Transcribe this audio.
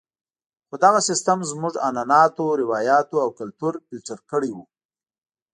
خو دغه سیستم زموږ عنعناتو، روایاتو او کلتور فلتر کړی وو.